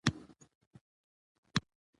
افغانستان د تاریخ کوربه دی.